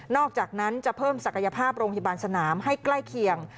อกจากนั้นจะเพิ่มศักยภาพโรงพยาบาลสนามให้ใกล้เคียง